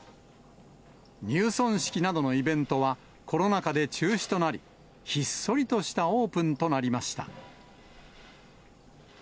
入村式などのイベントは、コロナ禍で中止となり、ひっそりとしたオープンとなりました。